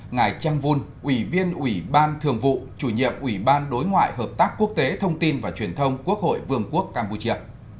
ngài trang vun ủy viên ủy ban thường vụ chủ nhiệm ủy ban đối ngoại hợp tác quốc tế thông tin và truyền thông quốc hội vương quốc campuchia